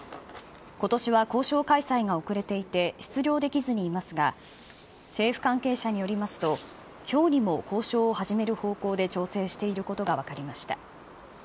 ことしは交渉開催が遅れていて、出漁できずにいますが、政府関係者によりますと、きょうにも交渉を始める方向で調整していることが分かりました。